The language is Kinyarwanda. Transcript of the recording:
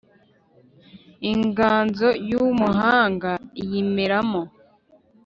inganzo y’umuhanga iyimeramo